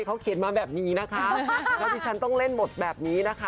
เขาเขียนมาแบบนี้นะคะแล้วดิฉันต้องเล่นบทแบบนี้นะคะ